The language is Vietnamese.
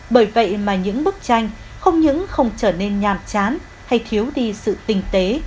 bởi vậy mà những bức tranh không những không trở nên nhàm chán hay thiếu đi sự tinh tế